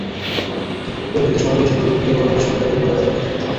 অপরিচিত শহরে এসে প্রথমদিকে বড়ভাইদের সঙ্গে তাদের ভাড়া করা মেসে থাকতাম।